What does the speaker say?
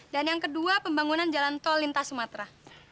dan yang kedua pembangunan jalan tol lintas sumatera